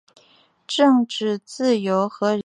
政治自由和人权是开放社会的基础。